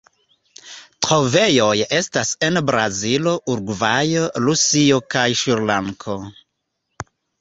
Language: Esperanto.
Trovejoj estas en Brazilo, Urugvajo, Rusio kaj Srilanko.